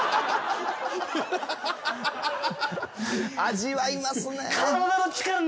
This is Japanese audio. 味わいますね。